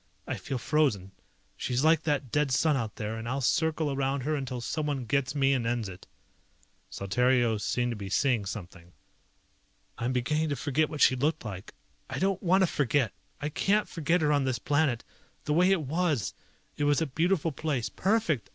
I feel frozen. She's like that dead sun out there, and I'll circle around her until someone gets me and ends it." Saltario seemed to be seeing something. "I'm beginning to forget what she looked like. I don't want to forget! I can't forget her on this planet. The way it was! It was a beautiful place, perfect!